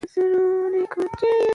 هندوکش د افغانستان یو طبعي ثروت دی.